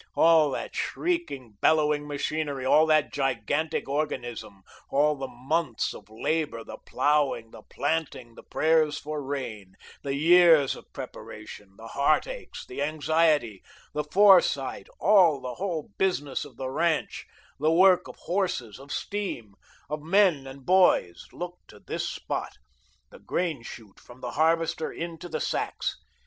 All that shrieking, bellowing machinery, all that gigantic organism, all the months of labour, the ploughing, the planting, the prayers for rain, the years of preparation, the heartaches, the anxiety, the foresight, all the whole business of the ranch, the work of horses, of steam, of men and boys, looked to this spot the grain chute from the harvester into the sacks.